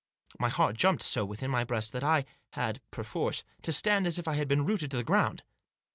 My heart jumped so within my breast that I had, perforce, to stand as if I had been rooted to the ground.